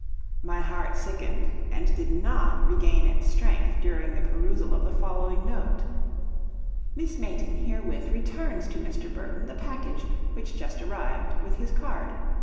My heart sickened, and did NOT regain its strength during the perusal of the following note: "Miss Mayton herewith returns to Mr. Burton the package which just arrived, with his card.